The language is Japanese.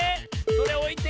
それおいて。